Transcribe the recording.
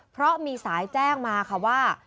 เพราะมีสายแจ้งมาค่ะว่า